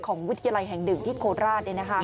ของวิทยาลัยแห่งดึงที่โคลาส